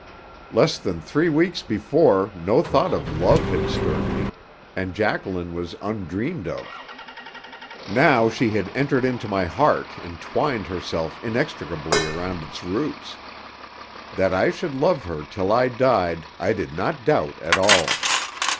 Less than three weeks before no thought of love had stirred me, and Jacqueline was undreamed of. Now she had entered into my heart and twined herself inextricably around its roots. That I should love her till I died I did not doubt at all.